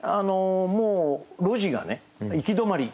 もう路地が行き止まり。